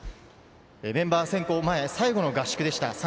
メンバー選考前、最後の合宿でした。